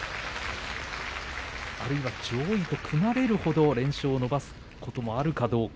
あるいは上位と組まれるほど連勝を伸ばすこともあるかどうか。